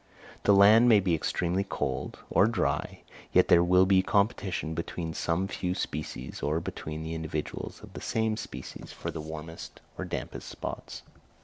The land may be extremely cold or dry, yet there will be competition between some few species, or between the individuals of the same species, for the warmest or dampest spots.